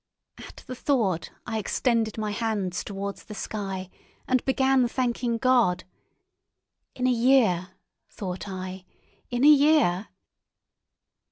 At the thought I extended my hands towards the sky and began thanking God. In a year, thought I—in a year.